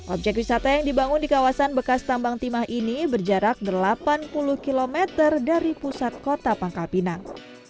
objek wisata yang dibangun di kawasan bekas tambang timah ini berjarak delapan puluh km dari pusat kota pangkal pinang